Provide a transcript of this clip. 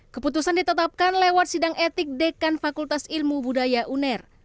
keputusan ditetapkan lewat sidang etik dekan fakultas ilmu budaya uner